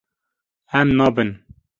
Em nabin.